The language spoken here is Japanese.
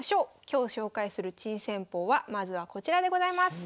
今日紹介する珍戦法はまずはこちらでございます。